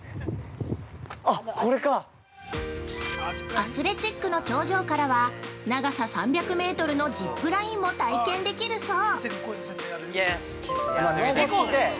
◆アスレチックの頂上からは長さ３００メートルのジップラインも体験できるそう！